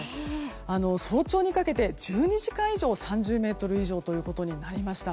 早朝にかけて１２時間以上３０メートル以上ということになりました。